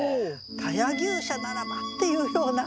「田谷牛舎ならば」っていうような。